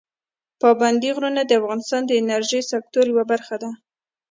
پابندي غرونه د افغانستان د انرژۍ سکتور یوه برخه ده.